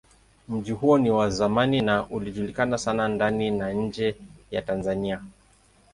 Mji huo ni wa zamani na ilijulikana sana ndani na nje ya Tanzania.